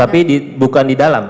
tapi bukan di dalam